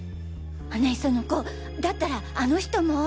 ねえ園子だったらあの人も。